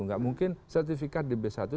gak mungkin sertifikat di b satu itu